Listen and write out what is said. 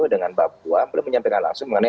dengan bapak puan belum menyampaikan langsung mengenai